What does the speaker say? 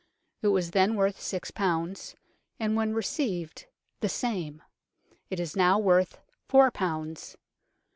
It was then worth 6 pounds ; and when received (the same) ; it is now worth 4 pounds.